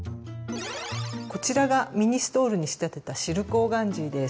こちらがミニストールに仕立てたシルクオーガンジーです。